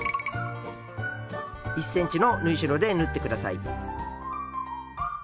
１ｃｍの縫い代で縫ってください。